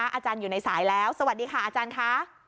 อาจารย์อยู่ในสายแล้วสวัสดีค่ะอาจารย์ค่ะ